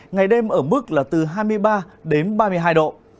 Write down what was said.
ngày đêm ở mức là từ hai mươi ba đến ba mươi hai độ